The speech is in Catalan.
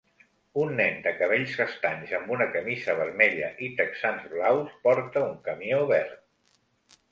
Un nen de cabells castanys amb una camisa vermella i texans blaus porta un camió verd.